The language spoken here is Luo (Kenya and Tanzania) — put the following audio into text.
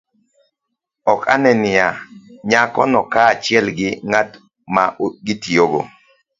Ok one niya, nyako no kaachiel gi ng'at ma gitiyogo